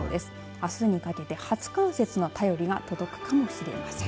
あすにかけて初冠雪の便りが届くかもしれません。